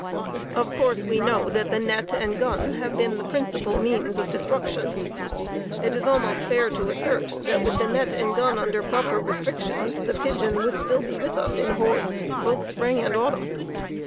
... Of course we know that the net and gun have been the principal means of destruction, but it is almost fair to assert that even with the net and gun under proper restrictions, the pigeon would still be with us in hordes, both spring and autumn.